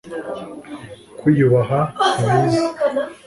kwiyubaha ntibizi.